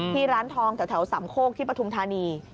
ที่ร้านทองจากแถวสำโคกที่ปทุมธานี